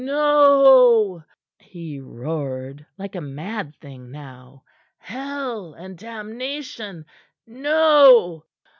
"No," he roared, like a mad thing now. "Hell and damnation no!"